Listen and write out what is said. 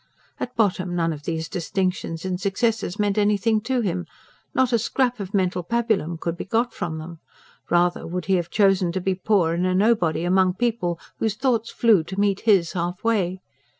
At bottom, none of these distinctions and successes meant anything to him; not a scrap of mental pabulum could be got from them: rather would he have chosen to be poor and a nobody among people whose thoughts flew to meet his half way.